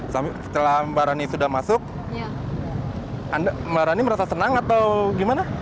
setelah barani sudah masuk barani merasa senang atau gimana